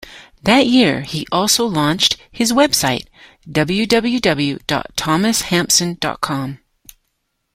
That year, he also launched his website, www.thomashampson.com.